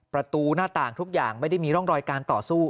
ประตูหน้าต่างทุกอย่างไม่ได้มีร่องรอยการต่อสู้